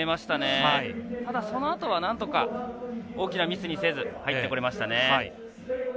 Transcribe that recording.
ただ、そのあとはなんとか大きなミスにせず入ってこれましたね。